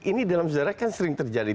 ini dalam sejarah kan sering terjadi